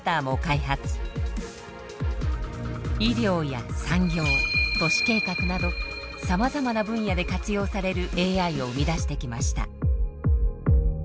医療や産業都市計画などさまざまな分野で活用されるＡＩを生み出してきました。